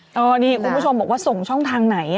นี่คุณผู้ชมบอกว่าส่งช่องทางไหน